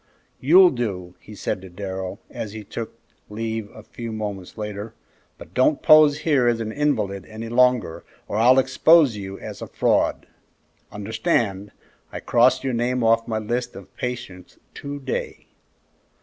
"You'll do," he said to Darrell, as he took leave a few moments later, "but don't pose here as an invalid any longer, or I'll expose you as a fraud. Understand, I cross your name off my list of patients to day."